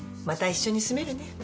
また一緒に住めるね。